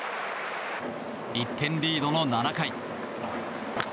１点リードの７回。